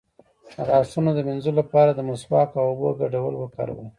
د غاښونو د مینځلو لپاره د مسواک او اوبو ګډول وکاروئ